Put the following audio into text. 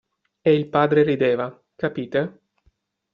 E il padre rideva, capite?